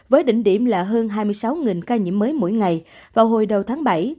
với đỉnh điểm là hơn hai mươi sáu ca nhiễm mới mỗi ngày vào hồi đầu tháng bảy